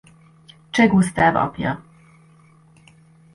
Cseh Gusztáv apja.